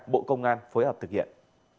bộ công an phối hợp thực hiện